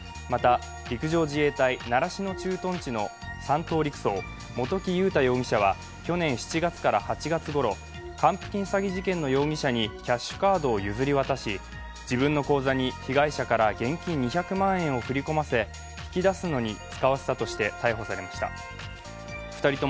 また陸上自衛隊習志野駐屯地の３等陸曹、元木悠太容疑者は去年７月から８月ごろ、還付金詐欺事件の容疑者にキャッシュカードを譲り渡し自分の口座に被害者から現金２００万円を振り込ませ、引き出すのに遣わせたとして逮捕されました。